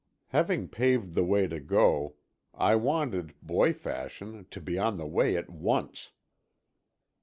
Having paved the way to go, I wanted, boy fashion, to be on the way at once.